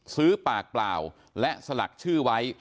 ซื้อปากเปล่าและสลักชื่อไว้